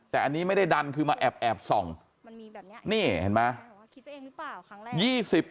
แต่อันนี้ไม่ได้ดันคือมาแอบแอบส่องมันมีแบบนี้นี่เห็นไหมคิดไปเองหรือเปล่าครั้งแรก